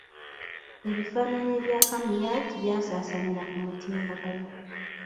Ebifaananyi bya Kamuyat byasaasaanira ku mutimbagano.